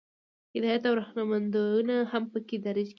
هدایات او رهنمودونه هم پکې درج کیږي.